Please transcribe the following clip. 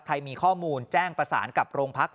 ใครมีข้อมูลแจ้งประสานกับโรงพัก